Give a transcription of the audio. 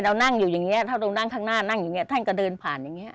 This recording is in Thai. เรานั่งอยู่อย่างนี้ถ้าเรานั่งข้างหน้านั่งอย่างนี้ท่านก็เดินผ่านอย่างนี้